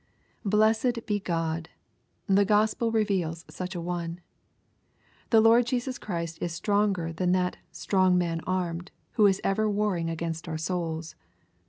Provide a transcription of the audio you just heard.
Blessed be God ! The Gospel reveals such an One. The Lord Jesus is stronger than that "strong man armed," who is ever warring against our souls.